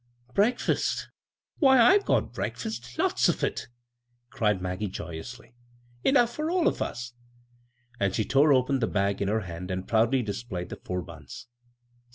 "Breakfast? Why, I've got breakfast — lots of it," cried Maggie, joyously ;" enough for all of us !" And she tore open the bag in her hand and proudly displayed the four buns.